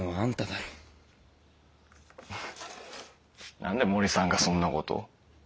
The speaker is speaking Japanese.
な何で森さんがそんな事を？